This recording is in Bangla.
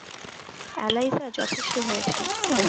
এলাইজা, যথেষ্ট হয়েছে!